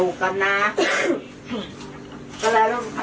อาวุธแห่งแล้วพอเดินได้ผมว่าเจอบัตรภรรยากุศิษภัณฑ์